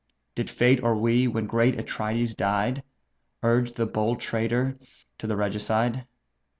Did fate, or we, when great Atrides died, Urge the bold traitor to the regicide?